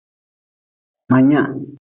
Ma nyea.